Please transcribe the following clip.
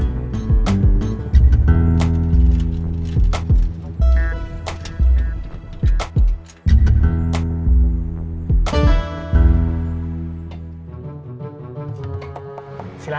silahkan tunggu dulu di teras